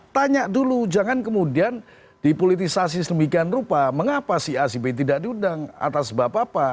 tanya dulu jangan kemudian dipolitisasi sedemikian rupa mengapa si acp tidak diundang atas sebab apa